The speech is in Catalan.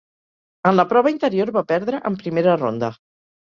En la prova interior va perdre en primera ronda.